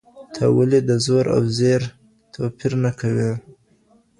ته ولي د زور او زېر توپیر نه کوې؟